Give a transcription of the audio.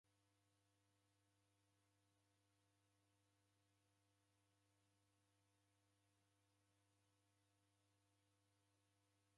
Nereandikishireghe irina japo ela ndejerekoghe kwa rejesta.